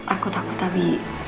aku takut abi